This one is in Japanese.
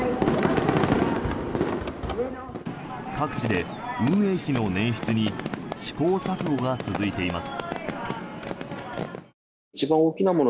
各地で運営費の捻出に試行錯誤が続いています。